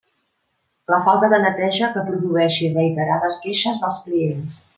La falta de neteja que produeixi reiterades queixes dels clients.